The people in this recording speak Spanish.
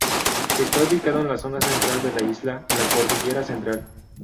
Está ubicado en la zona central de la isla, en la cordillera central.